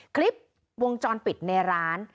คลิปวงจรปิดในร้าน